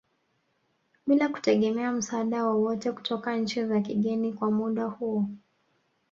Bila kutegemea msaada wowote kutoka nchi za kigeni kwa muda huo